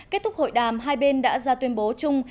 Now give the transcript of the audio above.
kết thúc hội đàm hai bên đã ra tuyên bố chung